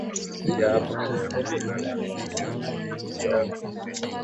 Hakuna kuzungumza kiingereza